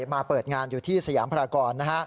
มาเปิดงานอยู่ที่สยามพรากร